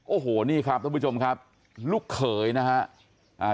โอ้โหนี่ครับท่านผู้ชมครับลูกเขยนะฮะอ่า